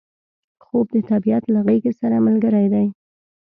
خوب د طبیعت له غیږې سره ملګری دی